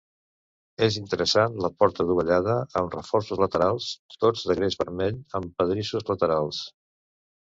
És interessant la porta dovellada amb reforços laterals, tots de gres vermell, amb pedrissos laterals.